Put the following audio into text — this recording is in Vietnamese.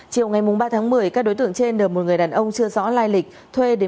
chiều ngày ba tháng một mươi các đối tượng trên được một người đàn ông chưa rõ lai lịch thuê